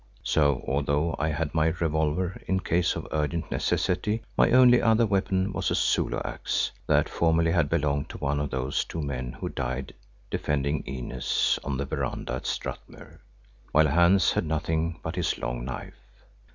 So, although I had my revolver in case of urgent necessity, my only other weapon was a Zulu axe, that formerly had belonged to one of those two men who died defending Inez on the veranda at Strathmuir, while Hans had nothing but his long knife.